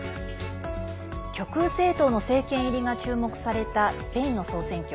極右政党の政権入りが注目されたスペインの総選挙。